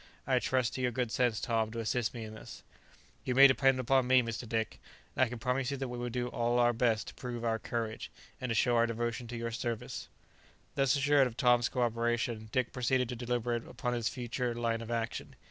I trust to your good sense, Tom, to assist me in this." "You may depend upon me, Mr. Dick; and I can promise you that we will all do our best to prove our courage, and to show our devotion to your service." [Illustration: "You must keep this a secret"] Thus assured of Tom's co operation, Dick proceeded to deliberate upon his future line of action.